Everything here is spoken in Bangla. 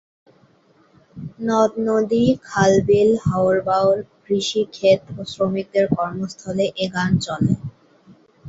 নদ-নদী, খাল-বিল, হাওর-বাঁওর, কৃষি ক্ষেত ও শ্রমিকদের কর্মস্থলে এ গান চলে।